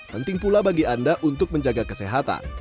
penting pula bagi anda untuk menjaga kesehatan